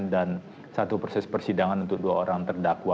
dan satu proses persidangan untuk dua orang terdakwa